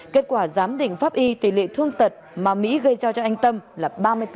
kết quả giám định pháp y tỷ lệ thương tật mà mỹ gây ra cho anh tâm là ba mươi bốn